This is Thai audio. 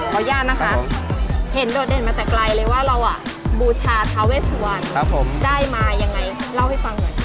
อนุญาตนะคะเห็นโดดเด่นมาแต่ไกลเลยว่าเราบูชาทาเวสวันได้มายังไงเล่าให้ฟังหน่อย